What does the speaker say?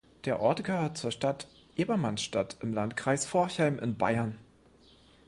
Der Ort gehört zur Stadt Ebermannstadt im Landkreis Forchheim in Bayern.